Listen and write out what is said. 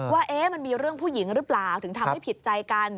ว่ามันมีเรื่องผู้หญิงหรือเปล่าถึงทำให้ผิดใจกัน